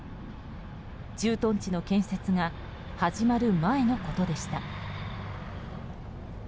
駐屯地の建設が始まる前のことでした。